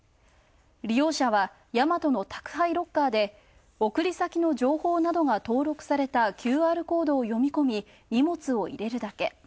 利用者はヤマトの宅配ロッカーで送り先の情報などが登録されたＱＲコードを読み込み、荷物を入れるだけ。